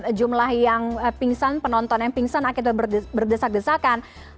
ada jumlah yang pingsan penonton yang pingsan akhirnya berdesak desakan